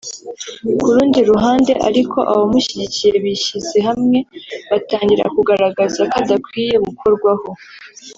Ku rundi ruhande ariko abamushyigikiye bishyize hamwe batangira kugaragaza ko adakwiye gukorwaho